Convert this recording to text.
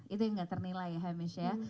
itu yang gak ternilai hamish ya